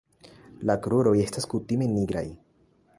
La kruroj estas kutime nigraj.